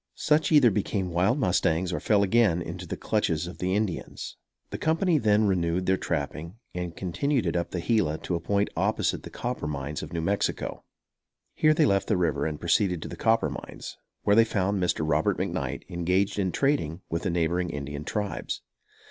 Such either became wild mustangs or fell again into the clutches of the Indians. The company then renewed their trapping, and continued it up the Gila to a point opposite the copper mines of New Mexico. Here they left the river and proceeded to the copper mines, where they found Mr. Robert McKnight engaged in trading with the neighboring Indian tribes.